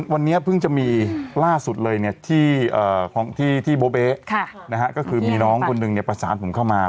วันนี้เพิ่งจะมีล่าสุดเลยที่โบเบ๊ก็คือมีน้องคนหนึ่งประสานผมเข้ามา